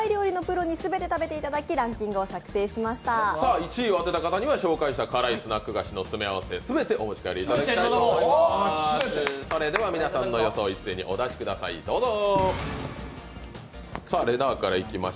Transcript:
１位を当てた方には紹介者、辛いスナック菓子の詰め合わせを２全てお持ち帰りいただきたいと思います。